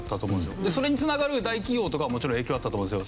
でそれに繋がる大企業とかはもちろん影響あったと思うんですよ。